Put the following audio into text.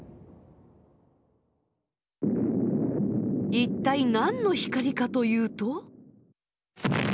一体何の光かというと。